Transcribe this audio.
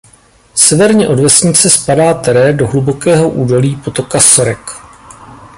Severně od vesnice spadá terén do hlubokého údolí potoka Sorek.